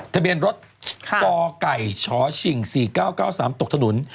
ทะเบียนรถกไก่ชชิง๔๙๙๓ตกถนน